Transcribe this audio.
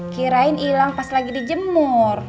kirain hilang pas lagi dijemur